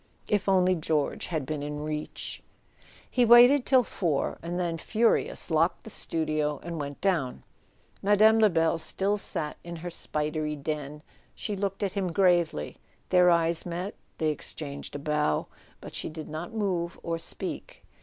If only George had been in reach! He waited till four, and then, furious, locked the studio and went down. Mme. Lebel still sat in her spidery den. She looked at him gravely, their eyes met, they exchanged a bow, but she did not move or speak.